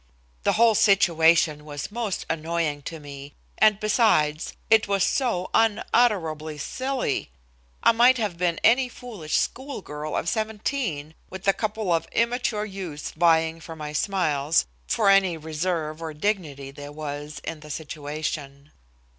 The whole situation was most annoying to me. And, besides, it was so unutterably silly! I might have been any foolish school girl of seventeen, with a couple of immature youths vying for my smiles, for any reserve or dignity there was in the situation.